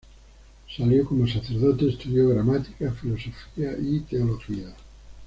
Salió como sacerdote, estudió gramática, filosofía y teología.